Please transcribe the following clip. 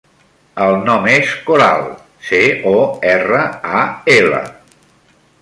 El nom és Coral: ce, o, erra, a, ela.